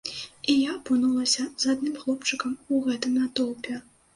І я апынулася з адным хлопчыкам у гэтым натоўпе.